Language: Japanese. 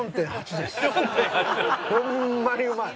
ホンマにうまい！